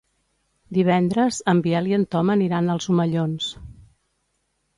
Divendres en Biel i en Tom aniran als Omellons.